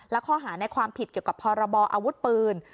และข้อหาในความผิดเกี่ยวกับพรบออาวุธปืน